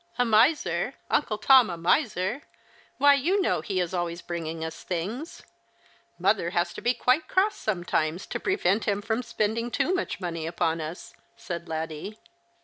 "A miser! Uncle Tom a miser! Why, you know he is always bringing us things. Mother has to be quite cross sometimes to prevent him spending too much money upon us," said Laddie.